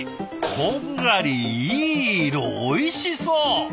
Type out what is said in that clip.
こんがりいい色おいしそう！